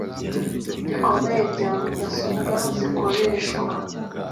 Rikomeye rya mudasobwa zikoreshwa